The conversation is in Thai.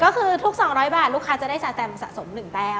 ก็คือทุก๒๐๐บาทลูกค้าจะได้สแตมสะสม๑แต้ม